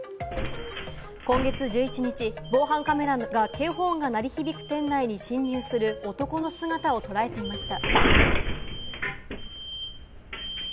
今月１１日、防犯カメラが、警報音が鳴り響く店内に侵入する男の姿を捉えていました。